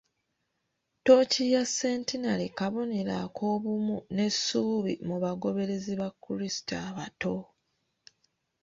Tooki ya centenary kabonero ak'obumu n'essuubi mu bagoberezi ba Krisitu abato.